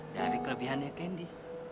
dari kelebihannya kendi